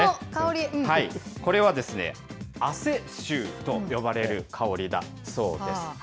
これは、汗臭と呼ばれる香りだそうです。